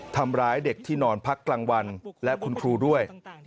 ทำร้ายเด็กที่นอนพักกลางวันและคุณครูด้วย